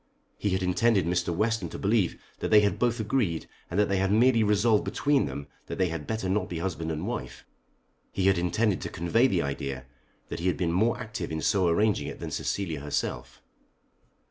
He had intended Mr. Western to believe that they had both agreed, and that they had merely resolved between them that they had better not be husband and wife. He had intended to convey the idea that he had been more active in so arranging it than Cecilia herself.